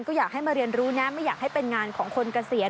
ก็อยากให้มาเรียนรู้นะไม่อยากให้เป็นงานของคนเกษียณ